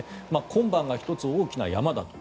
今晩が１つ、大きな山だと。